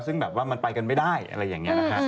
ซึ่งมันไปกันไม่ได้อะไรอย่างนี้ล่ะค่ะ